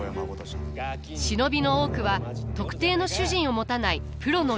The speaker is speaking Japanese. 忍びの多くは特定の主人を持たないプロの傭兵集団。